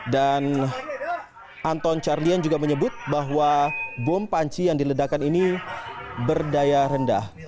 dan anton carlyan juga menyebut bahwa bom panci yang diledakan ini berdaya rendah